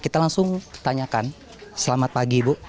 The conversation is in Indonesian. kita langsung tanyakan selamat pagi ibu